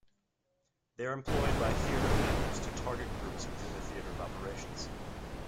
They are employed by theater commanders to target groups within the theater of operations.